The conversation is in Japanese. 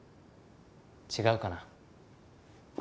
違うかな？